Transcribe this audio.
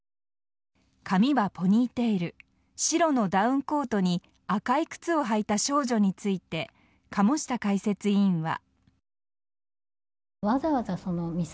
髪はポニーテール白のダウンコートに赤い靴を履いた少女について鴨下解説委員は。